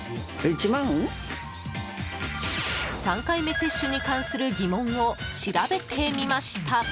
３回目接種に関する疑問を調べてみました。